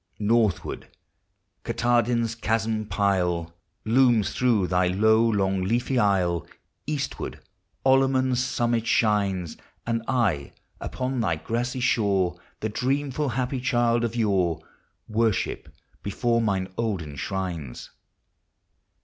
Northward, Katahdin's chasmed pile Looms through thy low, long, leafy aisle; Eastward, Olamon's summit shines; And I upon thy grassy shore, The dreamful, happy child of yore, Worship before mine olden shrines.